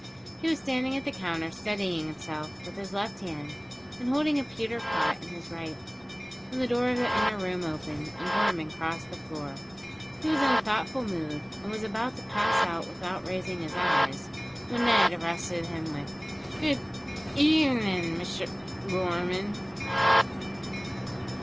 He was standing at the counter steadying himself with his left hand and holding a pewter pot in his right, when the door of the inner room opened, and Gorman crossed the floor. He was in a thoughtful mood, and was about to pass out without raising his eyes, when Ned arrested him with: "Good ev n'in', Misher Gorm'n."